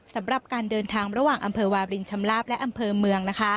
สำหรับการเดินทางระหว่างอำเภอวารินชำลาบและอำเภอเมือง